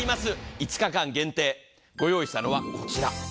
５日間限定、ご用意したのはこちら。